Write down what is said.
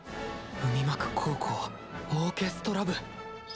海幕高校オーケストラ部！